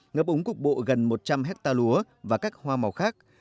ngập ống cục bộ gần một trăm linh ha lúa và các hoa màu khác